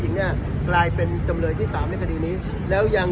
เนี่ยกลายเป็นจำเลยที่สามในคดีนี้แล้วยัง